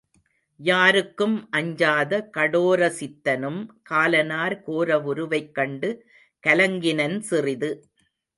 யாருக்கும் அஞ்சாத கடோரசித்தனும் காலனார் கோரவுருவைக் கண்டு கலங்கினன் சிறிது.